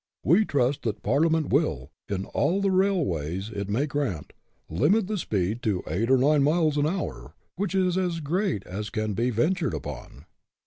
We trust that Parliament will, in all the railways it may grant, limit the speed to eight or nine miles an hour, which is as great as can be ventured upon."